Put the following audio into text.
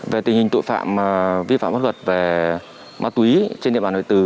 về tình hình tội phạm vi phạm bắt quật về ma túy trên địa bàn huyện đại từ